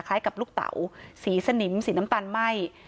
กับลูกเต๋าสีสนิมสีน้ำตาลไหม้